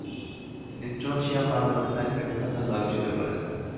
তিনি স্ট্রনশিয়াম নামে এক নতুন মৃৎক্ষার ধাতু আবিষ্কার করেন।